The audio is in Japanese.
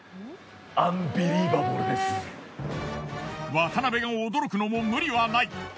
渡部が驚くのも無理はない。